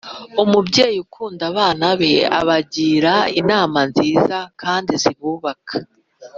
Umubyeyi ukunda abana be abagira inama nzinza kndi zibubaka